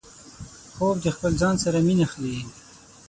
خوب د خپل ځان سره مینه ښيي